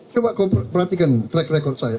coba perhatikan track record saya